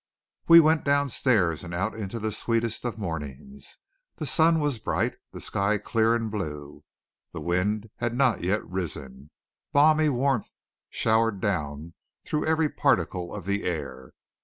We went downstairs and out into the sweetest of mornings. The sun was bright, the sky clear and blue, the wind had not yet risen, balmy warmth showered down through every particle of the air.